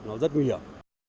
nó rất nguy hiểm